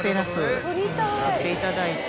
造っていただいて。